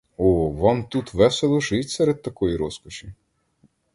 О, вам тут весело жить серед такої розкоші!